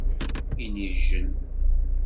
Inijjel.